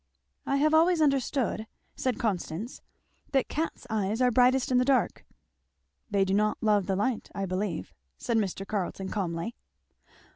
"I have always understood," said Constance, "that cats' eyes are brightest in the dark." "They do not love the light, I believe," said Mr. Carleton calmly.